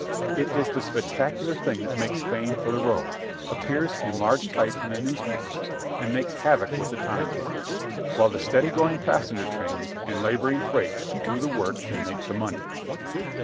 It is the spectacular thing that makes fame for the road, appears in large type in the newspapers, and makes havoc with the time tables, while the steady going passenger trains and labouring freights do the work and make the money.